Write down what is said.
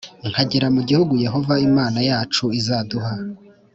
nkagera mu gihugu yehova imana yacu izaduha